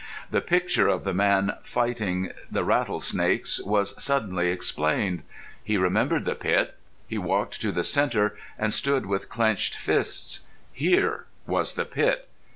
The picture of the man fighting the rattlesnakes was suddenly explained. He remembered the pit. He walked to the centre and stood with clenched fists. Here was the pit.